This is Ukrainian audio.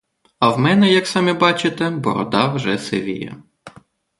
А в мене, як самі бачите, борода вже сивіє.